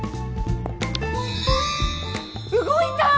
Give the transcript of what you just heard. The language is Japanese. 動いた！